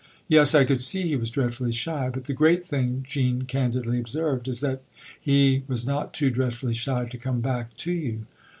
"Yes I could see he was dreadfully shy. But the great thing," Jean candidly observed*, " is that he was not too dreadfully shy to come back to you."